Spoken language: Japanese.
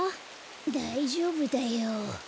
だいじょうぶだよ。